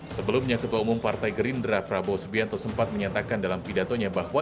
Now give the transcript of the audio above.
sebelumnya ketua umum partai gerindra prabowo subianto sempat menyatakan dalam pidatonya bahwa